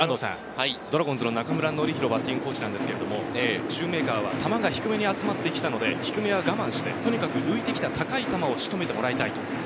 中村紀洋バッティングコーチは、シューメーカーは球が低めに集まってきたので低めは我慢して、とにかく浮いてきた高い球を仕留めてもらいたい。